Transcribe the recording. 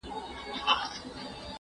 یو لېوه د غره لمن کي وږی تږی